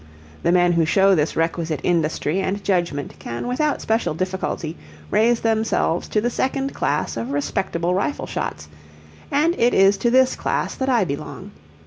The men who show this requisite industry and judgment can without special difficulty raise themselves to the second class of respectable rifle shots; and it is to this class that I belong.